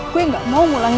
gue gak mau mulai